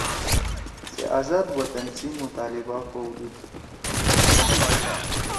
سے آزاد وطن سی مطالبہ کؤدُود